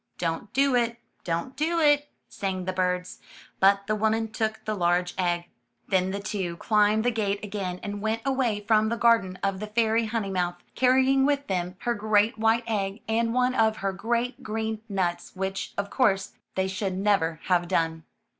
''Don't do it. Don't do it," sang the birds, but the woman took the large egg. 92 UP ONE PAIR OF STAIRS Then the two climbed the gate again and went away from the garden of the Fairy Honeymouth, carrying with them her great white egg, and one of her great green nuts, which, of course, they should never have done.